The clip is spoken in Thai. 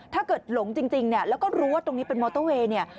ถ้าเกิดหลงจริงแล้วก็รู้ว่าตรงนี้เป็นมอเตอร์เวย์